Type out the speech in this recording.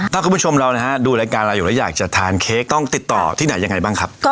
ถ้าคุณผู้ชมเรานะฮะดูรายการเราอยู่แล้วอยากจะทานเค้กต้องติดต่อที่ไหนยังไงบ้างครับ